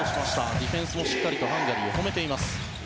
ディフェンスもハンガリーを止めています。